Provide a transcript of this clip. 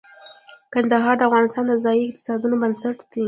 کندهار د افغانستان د ځایي اقتصادونو بنسټ دی.